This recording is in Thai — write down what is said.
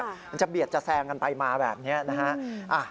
มันจะเบียดจะแซงกันไปมาแบบนี้นะฮะ